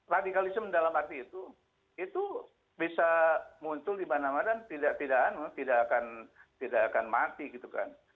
radikalisme dalam arti itu itu bisa muncul dimana mana tidak akan mati gitu kan